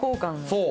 そう。